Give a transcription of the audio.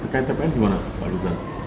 kalau tpn gimana pak rkppr